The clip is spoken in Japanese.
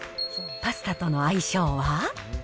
パスタとの相性は。